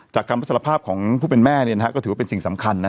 คำรับสารภาพของผู้เป็นแม่เนี่ยนะฮะก็ถือว่าเป็นสิ่งสำคัญนะ